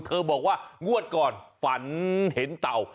บอกว่างวดก่อนฝันเห็นเต่า